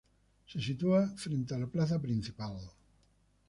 Se sitúa frente a la plaza principal.